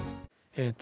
えっと